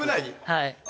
はい。